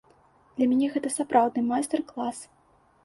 Для мяне гэта сапраўдны майстар-клас.